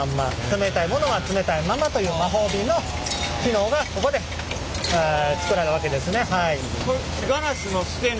冷たいものは冷たいまんまという魔法瓶の機能がここでつくられるわけですね。